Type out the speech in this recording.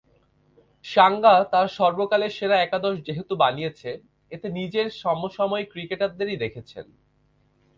সাঙ্গা তাঁর সর্বকালের সেরা একাদশ যেহেতু বানিয়েছে, এতে নিজের সমসাময়িক ক্রিকেটারদেরই রেখেছেন।